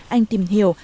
anh tìm hiểu